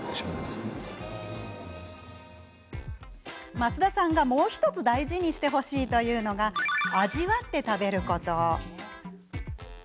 増田さんが、もう１つ大事にしてほしいというのが味わって食べること。